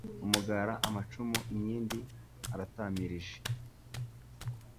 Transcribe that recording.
umugara, amacumu, inkindi aratamirije